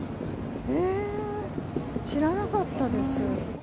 えー、知らなかったですよ。